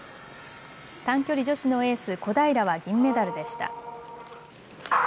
短距離女子のエース、小平は銀メダルでした。